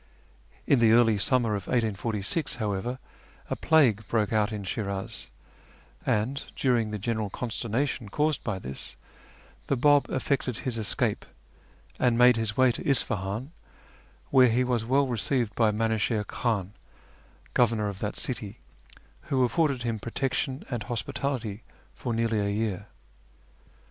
In the early summer of 1846, however, a plague broke out in Shi'nlz, and, during the general consternation caused by this, the ]3;Lb effected his escape, and made his way to Isfahan, where he was well received by Minuchihr Khan, governor of that city, who afforded him protection and hospitality for nearly a year.